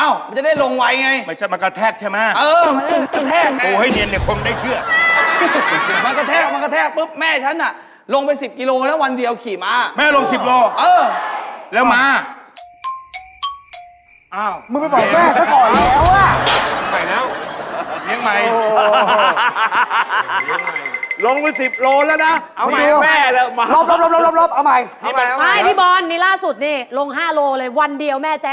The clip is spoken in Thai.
อ้าวมันจะได้ลงไว้ไง